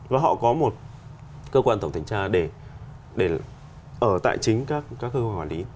và họ có một cơ quan tổng thanh tra để ở tại chính các cơ quan quản lý